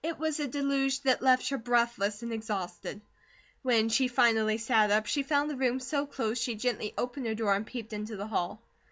It was a deluge that left her breathless and exhausted. When she finally sat up, she found the room so close, she gently opened her door and peeped into the hall.